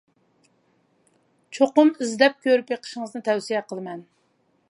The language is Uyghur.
چوقۇم ئىزدەپ كۆرۈپ بېقىشىڭىزنى تەۋسىيە قىلىمەن.